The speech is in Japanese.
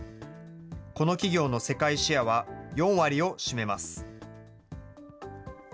この企業の世界シェアは４割を占めます。